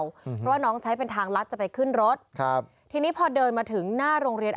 เพราะว่าน้องใช้เป็นทางลัดจะไปขึ้นรถครับทีนี้พอเดินมาถึงหน้าโรงเรียน